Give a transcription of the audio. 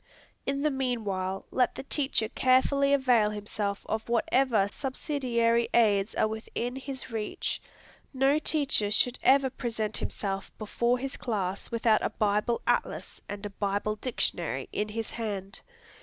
In the meanwhile, let the teacher carefully avail himself of whatever subsidiary aids are within his reach. No teacher should ever present himself before his class without a Bible Atlas and a Bible Dictionary in his hand.